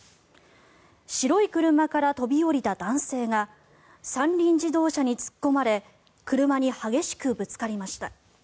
白い車から飛び降りた男性が三輪自動車に突っ込まれ車に激しくぶつかりました。